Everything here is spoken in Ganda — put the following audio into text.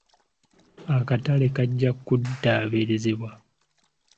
Akatale kajja kuddaabirizibwa.